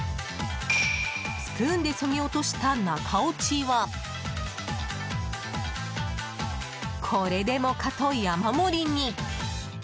スプーンでそぎ落とした中落ちはこれでもかと山盛りに。